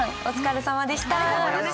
お疲れさまでした。